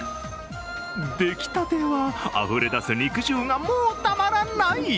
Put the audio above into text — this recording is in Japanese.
出来たてはあふれ出す肉汁がもうたまらない！